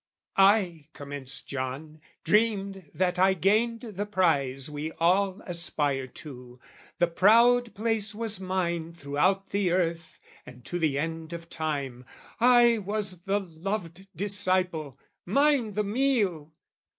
"I," commenced John, "dreamed that I gained the prize "We all aspire to: the proud place was mine, "Throughout the earth and to the end of time "I was the Loved Disciple: mine the meal!"